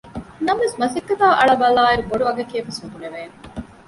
ނަމަވެސް މަސައްކަތާ އަޅާބަލާއިރު ބޮޑު އަގެކޭ ވެސް ނުބުނެވޭނެ